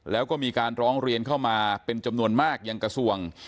แล้วก็มีการร้องเรียนเข้ามาเป็นจำนวนมากยังกระทรวง